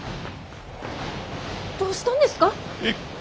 どうしたんですか？